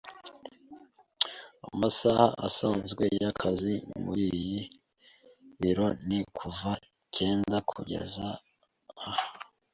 Amasaha asanzwe yakazi muriyi biro ni kuva cyenda kugeza atanu.